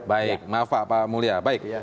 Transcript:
baik maaf pak mulya